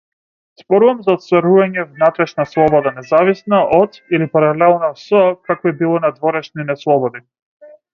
Зборувам за остварување внатрешна слобода независно од или паралелно со какви било надворешни неслободи.